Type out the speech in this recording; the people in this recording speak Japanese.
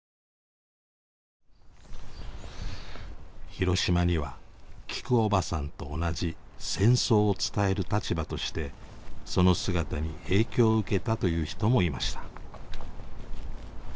広島にはきくおばさんと同じ戦争を伝える立場としてその姿に影響を受けたという人もいました。